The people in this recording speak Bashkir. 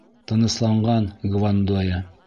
Тынысланған Гвандоя: